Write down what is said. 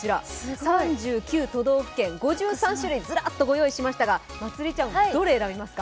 ３９都道府県、５３種類、ずらっとご紹介しましたがまつりちゃん、どれ選びますか？